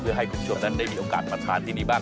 เพื่อให้คุณผู้ชมนั้นได้มีโอกาสมาทานที่นี่บ้าง